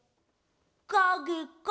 かげか。